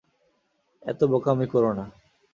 এতো বোকামি করো না!